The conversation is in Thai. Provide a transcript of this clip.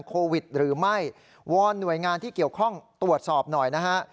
โควิดหรือไม่วอนหน่วยงานที่เกี่ยวข้องตรวจสอบหน่อยนะฮะ